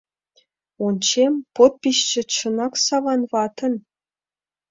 Ончем: подписьше, чынак, Саван ватын.